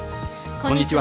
こんにちは。